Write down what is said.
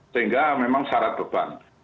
sehingga memang syarat beban